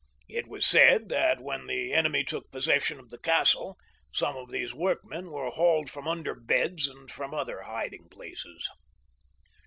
It was said that when the enemy took possession of the castle, some of these workmen were hauled from under beds and from other hiding places.